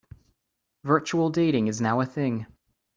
Virtual dating is now a thing.